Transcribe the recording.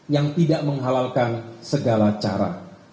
yang tidak menghalalkan segala cara